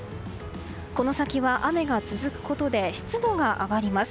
この先は雨が続くことで湿度が上がります。